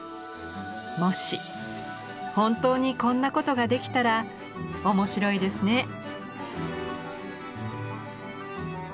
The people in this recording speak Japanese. もし本当にこんなことができたら面白いですね。